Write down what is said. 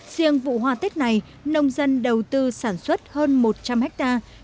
riêng vụ hoa tết này nông dân đầu tư sản xuất hơn một trăm linh hectare